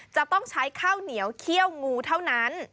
จะต้องใช้ข้าวเหนียวเขี้ยวงูเท่านั้น